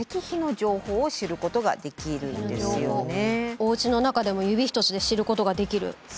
おうちの中でも指一つで知ることができる。